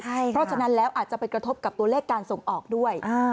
เพราะฉะนั้นแล้วอาจจะไปกระทบกับตัวเลขการส่งออกด้วย